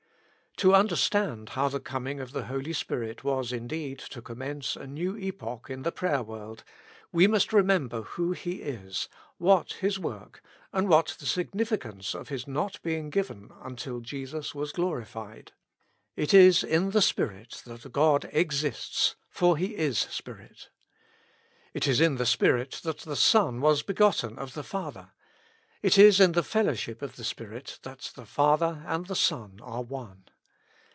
To understand how the coming of the Holy Spirit was indeed to commence a new epoch in the prayer world, we must remember who He is, what His work, and what the significance of His not being given until Jesus was glorified. It is in the Spirit that God exists, for He is Spirit. It is in the Spirit that the Son was begotten of the Father : it is in the fellowship of the Spirit that the Father and the Son are one.